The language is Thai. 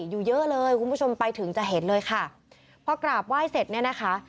อยู่เยอะเลยคุณผู้ชมไปถึงจะเห็นเลยค่ะพอกราบไหว้เสร็จเนี่ยนะคะ